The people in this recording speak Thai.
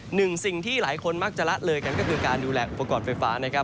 หนึ่งสิ่งที่หลายคนมักจะละเลยกันก็คือการดูแลอุปกรณ์ไฟฟ้านะครับ